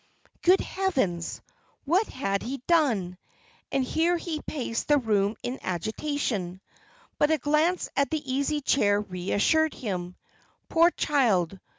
Good heavens! what had he done? And here he paced the room in agitation; but a glance at the easy chair reassured him. Poor child!